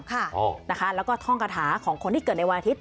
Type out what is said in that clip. ค่ะนะคะแล้วก็ท่องกระถาของคนที่เกิดในวันอาทิตย